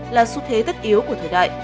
là xu thế tất yếu của thời đại